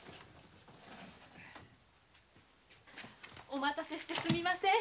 お待たせしてすみません。